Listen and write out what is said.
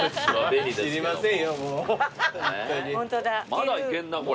まだいけんなこれ。